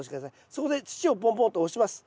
そこで土をポンポンと押します。